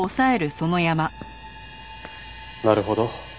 なるほど。